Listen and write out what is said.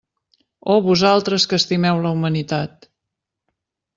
Oh vosaltres que estimeu la humanitat!